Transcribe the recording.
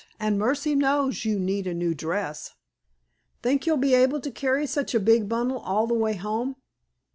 And mercy knows you need a new dress! Think you'll be able to carry such a big bundle all the way home?